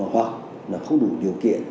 hoặc là không đủ điều kiện